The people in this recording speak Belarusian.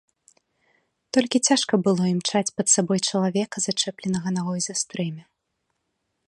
Толькі цяжка было імчаць пад сабой чалавека, зачэпленага нагой за стрэмя.